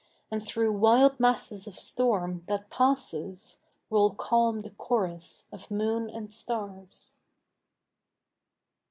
And through wild masses of storm, that passes, Roll calm the chorus of moon and stars.